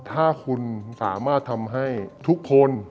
ถ้าคุณสามารถทำให้ทุกคน